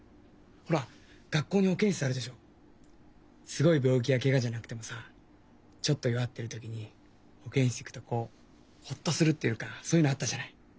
すごい病気やけがじゃなくてもさちょっと弱ってる時に保健室行くとこうほっとするっていうかそういうのあったじゃない。